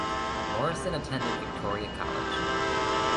Morrison attended Victoria College.